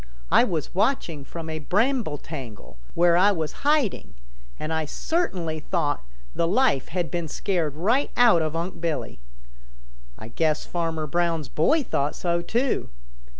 I was watching from a bramble tangle where I was hiding, and I certainly thought the life had been scared right out of Unc' Billy. I guess Farmer Brown's boy thought so too.